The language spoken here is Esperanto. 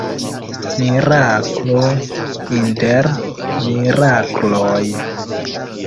Miraklo inter mirakloj.